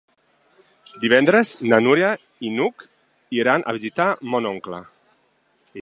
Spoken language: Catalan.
Divendres na Núria i n'Hug iran a visitar mon oncle.